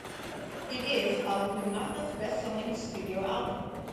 It is Apulanta's best selling studio album.